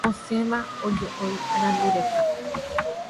Osẽva oje’ói arandu reka;